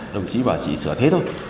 đồng chí bảo trì sửa thế thôi